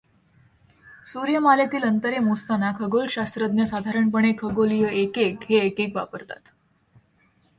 सूर्यमालेतील अंतरे मोजताना खगोलशास्त्रज्ञ साधारणपणे खगोलीय एकक हे एकक वापरतात.